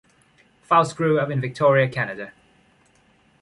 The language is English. Faust grew up in Victoria, Canada.